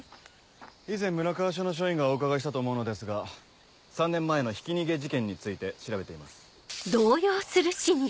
以前村川署の署員がお伺いしたと思うのですが３年前のひき逃げ事件について調べています。